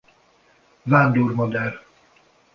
Vándor madár.